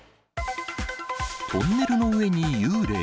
トンネルの上に幽霊？